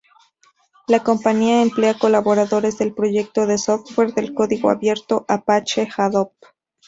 La compañía emplea colaboradores del proyecto de software de código abierto Apache Hadoop.